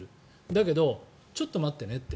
だけど、ちょっと待ってねって。